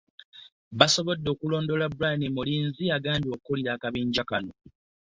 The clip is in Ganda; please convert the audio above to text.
Baasobodde okulondoola Brian Mulinzi agambibwa okukulira akabinja Kano